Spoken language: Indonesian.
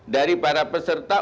dari para peserta